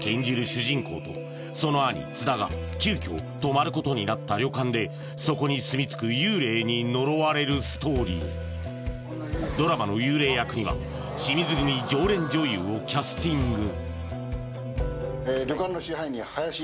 主人公とその兄・津田が急きょ泊まることになった旅館でそこにすみつく幽霊に呪われるストーリードラマのをキャスティング